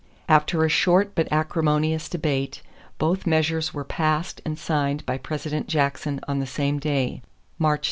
After a short but acrimonious debate, both measures were passed and signed by President Jackson on the same day, March 2.